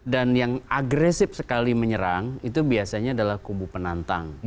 dan yang agresif sekali menyerang itu biasanya adalah kubu penantang